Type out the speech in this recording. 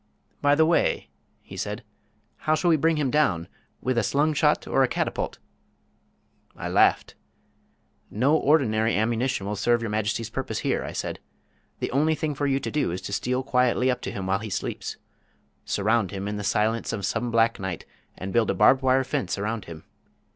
"By the way," he said, "how shall we bring him down with a slungshot or a catapult?" [Illustration: Gr't. Gr't. Gr't. Grandfather Adam as a disciplinarian.] I laughed. "No ordinary ammunition will serve Your Majesty's purpose here," I said. "The only thing for you to do is to steal quietly up to him while he sleeps. Surround him in the silence of some black night, and build a barbed wire fence around him.